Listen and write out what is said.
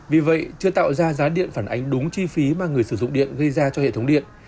vì vậy chưa tạo ra giá điện phản ánh đúng chi phí mà người sử dụng điện gây ra cho hệ thống điện